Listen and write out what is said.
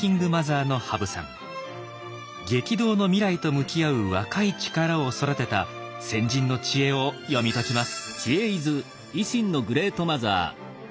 激動の未来と向き合う若い力を育てた先人の知恵を読み解きます。